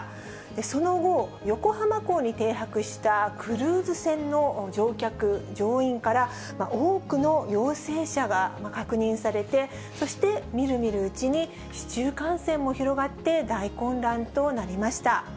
その後、横浜港に停泊したクルーズ船の乗客・乗員から、多くの陽性者が確認されて、そしてみるみるうちに市中感染も広がって、大混乱となりました。